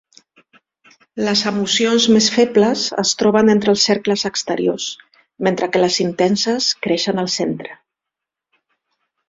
Les emocions més febles es troben entre els cercles exteriors, mentre que les intenses creixen al centre.